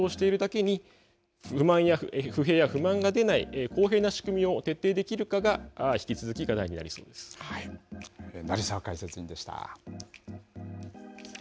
制度が浸透しているだけに不平や不満が出ない公平な仕組みを徹底できるかが引き続き成澤解説委員でした。